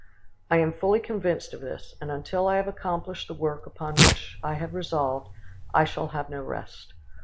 I am fully convinced of this, and until I have accomplished the work upon which I have resolved, I shall have no rest.